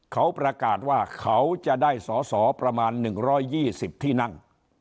เขาประกาศว่าเขาจะได้สอสอประมาณ๑๒๐ที่นั่ง